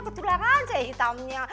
ketularan ceh hitamnya